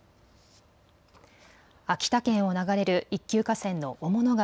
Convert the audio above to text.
秋田県を流れる一級河川の雄物川。